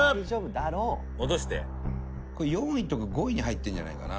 伊達：これ、４位とか５位に入ってるんじゃないかな？